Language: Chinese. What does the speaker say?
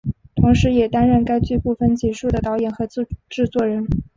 同时也担任该剧部分集数的导演和制作人。